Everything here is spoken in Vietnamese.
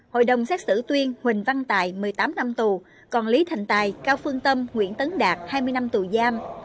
hội đồng xét xử tuyên huỳnh văn tài một mươi tám năm tù còn lý thành tài cao phương tâm nguyễn tấn đạt hai mươi năm tù giam